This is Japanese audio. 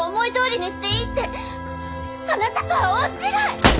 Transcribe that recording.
あなたとは大違い！